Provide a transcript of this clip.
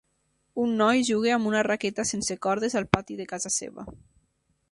Un noi juga amb una raqueta sense cordes al pati de casa seva.